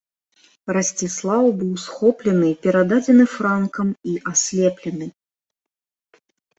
Расціслаў быў схоплены, перададзены франкам і аслеплены.